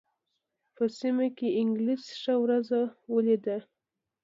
په سیمه کې انګلیس ښه ورځ ولېده.